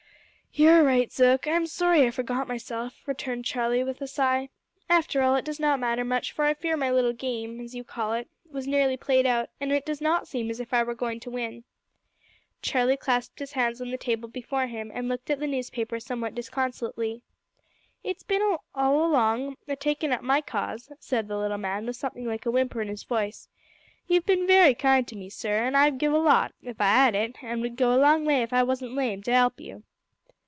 "You are right, Zook. I'm sorry I forgot myself," returned Charlie, with a sigh. "After all, it does not matter much, for I fear my little game as you call it was nearly played out, and it does not seem as if I were going to win." Charlie clasped his hands on the table before him, and looked at the newspaper somewhat disconsolately. "It's bin all along o' takin' up my cause," said the little man, with something like a whimper in his voice. "You've bin wery kind to me, sir, an' I'd give a lot, if I 'ad it, an' would go a long way if I wasn't lame, to 'elp you."